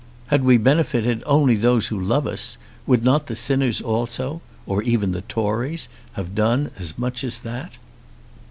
Had we benefited only those who love us, would not the sinners also, or even the Tories, have done as much as that?